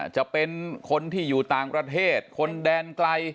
จะเป็นคนที่อยู่ต่างประเทศคนแดนไกล